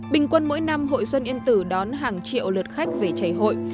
bình quân mỗi năm hội xuân yên tử đón hàng triệu lượt khách về chảy hội